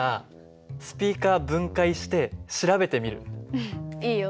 うんいいよ。